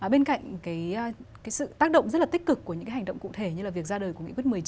bên cạnh cái sự tác động rất là tích cực của những hành động cụ thể như là việc ra đời của nghị quyết một mươi chín